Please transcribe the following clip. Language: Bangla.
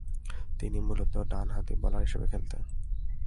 তিনি মূলতঃ ডানহাতি বোলার হিসেবে খেলতেন।